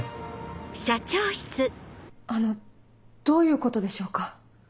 あのどういうことでしょうか？